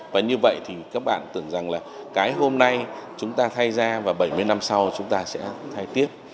và như vậy thì các bạn tưởng rằng là cái hôm nay chúng ta thay ra và bảy mươi năm sau chúng ta sẽ thay tiếp